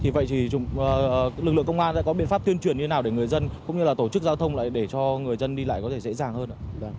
vậy thì lực lượng công an sẽ có biện pháp tuyên truyền như thế nào để người dân cũng như là tổ chức giao thông lại để cho người dân đi lại có thể dễ dàng hơn ạ